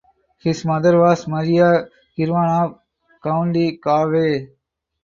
His mother was Maria Kirwan of County Galway.